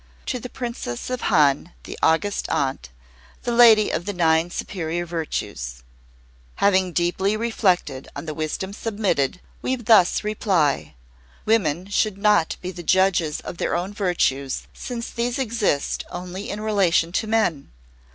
To the Princess of Han, the August Aunt, the Lady of the Nine Superior Virtues: "Having deeply reflected on the wisdom submitted, We thus reply. Women should not be the judges of their own virtues, since these exist only in relation to men.